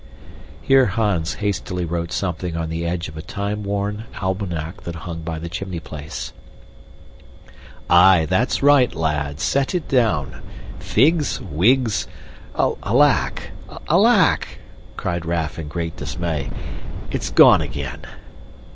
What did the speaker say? Here Hans hastily wrote something on the edge of a time worn almanac that hung by the chimney place. "Aye, that's right, lad, set it down. Figgs! Wiggs! Alack! Alack!" added Raff in great dismay, "it's gone again!"